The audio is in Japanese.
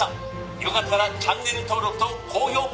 「よかったらチャンネル登録と高評価